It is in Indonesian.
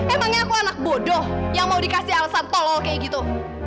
emangnya aku anak bodoh yang mau dikasih alasan tolong kayak gitu